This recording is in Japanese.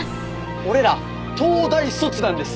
俺ら東大卒なんです。